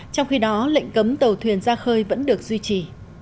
trong khi đó lệnh cấm tàu thuyền ra khơi vẫn được duy trì